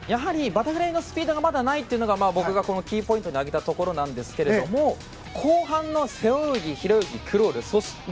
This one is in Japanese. バタフライのスピードがまだないというのが僕がキーポイントに挙げたところなんですけれども後半の背泳ぎ、平泳ぎクロール。